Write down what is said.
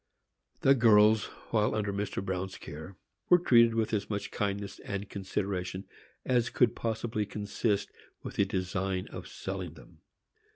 The girls, while under Mr. Bruin's care, were treated with as much kindness and consideration as could possibly consist with the design of selling them.